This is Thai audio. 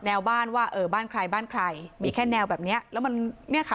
แววบ้านว่าเออบ้านใครบ้านใครมีแค่แนวแบบเนี้ยแล้วมันเนี่ยค่ะ